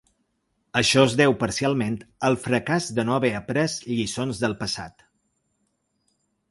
Això es deu parcialment al fracàs de no haver après lliçons del passat.